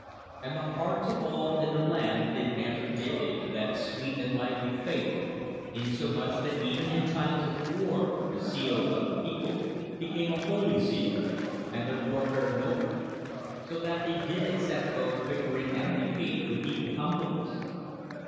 And the hearts of all in the land did answer daily to that sweet and lively faith, insomuch that even in times of war the zeal of the people became an holy zeal, and their warfare noble; so that they did accept both victory and defeat with equal humbleness.